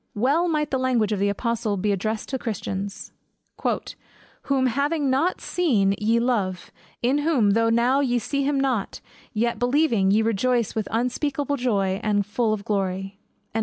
Well might the language of the apostle be addressed to Christians, "Whom having not seen ye love; in whom, though now ye see him not, yet believing, ye rejoice with joy unspeakable, and full of glory."